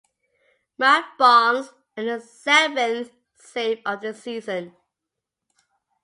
Matt Barnes earned his seventh save of the season.